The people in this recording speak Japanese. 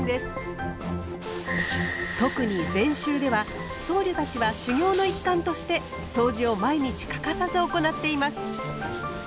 特に禅宗では僧侶たちは修行の一環としてそうじを毎日欠かさず行っています。